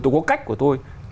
tôi có cách của tôi